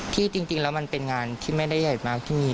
ที่จริงแล้วมันเป็นงานที่ไม่ได้ใหญ่มากที่นี่